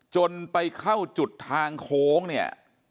จนไปเข้าจุดทางโค้งเนี่ย